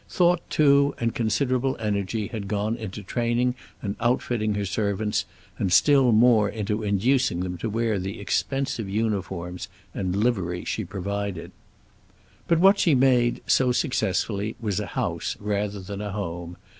Thought, too, and considerable energy had gone into training and outfitting her servants, and still more into inducing them to wear the expensive uniforms and livery she provided. But what she made, so successfully, was a house rather than a home.